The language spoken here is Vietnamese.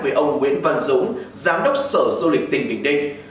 với ông nguyễn văn dũng giám đốc sở du lịch tỉnh bình định